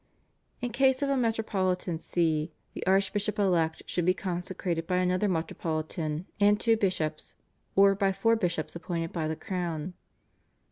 In case of a metropolitan See, the archbishop elect should be consecrated by another metropolitan and two bishops or by four bishops appointed by the crown.